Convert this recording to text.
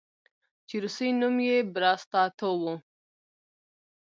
چې روسي نوم ئې Bratstvoدے